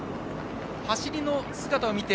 走りの姿を見て。